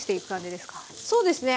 そうですね